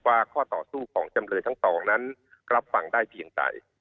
ข้อต่อสู้ของจำเลยทั้งสองนั้นรับฟังได้เพียงใด